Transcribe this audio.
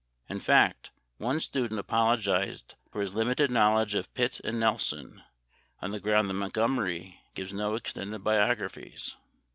In fact one student apologized for his limited knowledge of Pitt and Nelson on the ground that Montgomery gives no extended biographies.